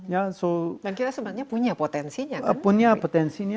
dan kita sebenarnya punya potensinya